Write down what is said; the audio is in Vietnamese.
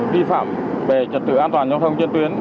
vi phạm về trật tự an toàn giao thông trên tuyến